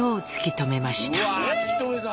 うわ突き止めた。